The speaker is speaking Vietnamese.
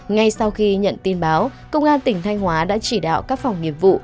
ngay sau khi nhận tin báo công an tỉnh thanh hóa đã chỉ đạo các phòng nghiệp vụ